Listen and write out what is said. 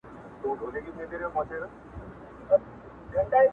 اوس به څوك ځي په اتڼ تر خيبرونو!